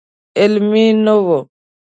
علمي نه و.